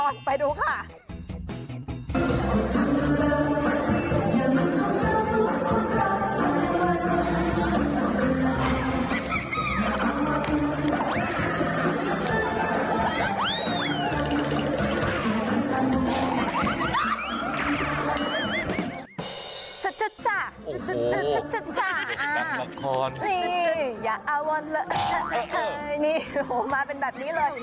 นี่อย่าอาวรเลยนี่โอ้โหมาเป็นแบบนี้เลย